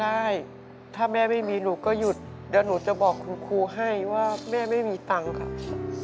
ได้ถ้าแม่ไม่มีหนูก็หยุดเดี๋ยวหนูจะบอกคุณครูให้ว่าแม่ไม่มีตังค์ค่ะ